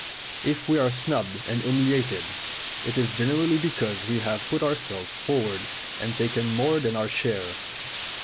If we are snubbed and humiliated, it is generally because we have put ourselves forward and taken more than our share.